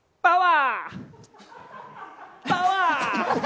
パワー！